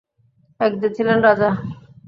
এক যে ছিলেন রাজা।